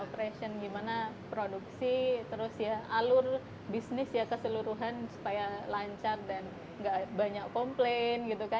operation gimana produksi terus ya alur bisnis ya keseluruhan supaya lancar dan gak banyak komplain gitu kan